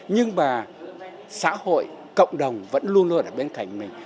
nhưng mà xã hội cộng đồng vẫn luôn luôn ở bên thành mình